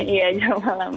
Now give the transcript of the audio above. iya jam malam